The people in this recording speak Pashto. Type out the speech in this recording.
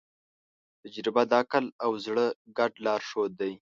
تجربه د عقل او زړه ګډ لارښود دی.